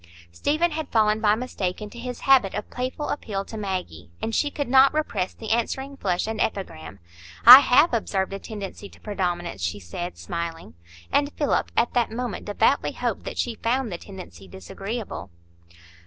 Stephen had fallen by mistake into his habit of playful appeal to Maggie, and she could not repress the answering flush and epigram. "I have observed a tendency to predominance," she said, smiling; and Philip at that moment devoutly hoped that she found the tendency disagreeable.